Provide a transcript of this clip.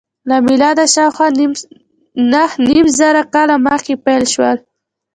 له میلاده شاوخوا نهه نیم زره کاله مخکې پیل شول.